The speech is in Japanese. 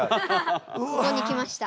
ここに来ました。